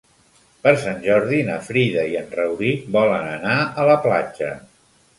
Per Sant Jordi na Frida i en Rauric volen anar a la platja.